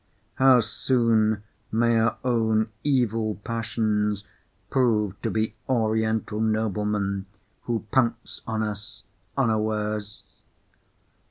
How soon may our own evil passions prove to be Oriental noblemen who pounce on us unawares!